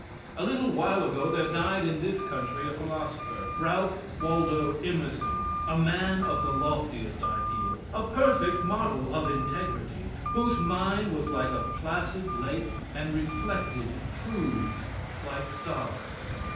A little while ago there died in this country a philosopher Ralph Waldo Emerson a man of the loftiest ideal, a perfect model of integrity, whose mind was like a placid lake and reflected truths like stars.